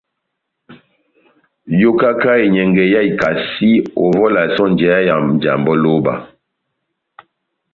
Yokaka enyɛngɛ yá ikasi, ó ovɛ olasɛ ó njeyá ya Njambɛ ó lóba.